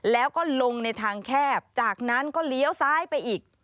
แล้วก็ลงในทางแคบจากนั้นก็เลี้ยวซ้ายไปอีก